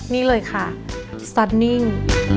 นี่เลยค่ะสัตว์นิ่ง